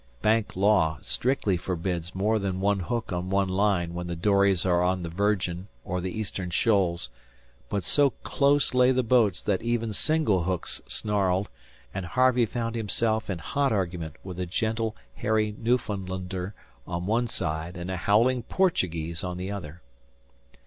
Bank law strictly forbids more than one hook on one line when the dories are on the Virgin or the Eastern Shoals; but so close lay the boats that even single hooks snarled, and Harvey found himself in hot argument with a gentle, hairy Newfoundlander on one side and a howling Portuguese on the other.